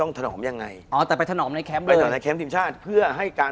คุณผู้ชมบางท่าอาจจะไม่เข้าใจที่พิเตียร์สาร